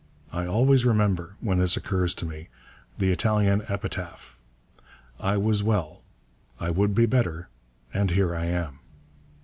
I always remember, when this occurs to me, the Italian epitaph: 'I was well, I would be better, and here I am.'